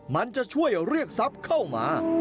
มันจะช่วยเรียกทรัพย์เข้ามา